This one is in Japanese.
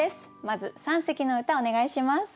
まず三席の歌お願いします。